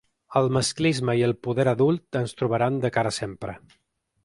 El masclisme i el poder adult ens trobaran de cara sempre.